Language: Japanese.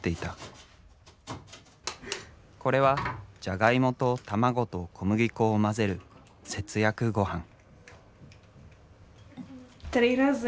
これはジャガイモと卵と小麦粉を混ぜる節約ごはん。